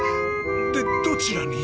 でどちらに？